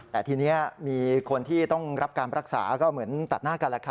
แต่ทีนี้มีคนที่ต้องรับการรักษาก็เหมือนตัดหน้ากันแหละค่ะ